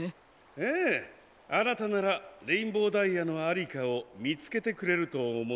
ええあなたならレインボーダイヤのありかをみつけてくれるとおもったのです。